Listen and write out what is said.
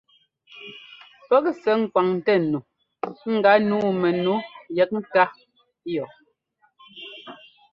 Pɛ́k sɛ́ ŋkwaŋtɛ nu gánǔu mɛnu yɛk ŋká yɔ.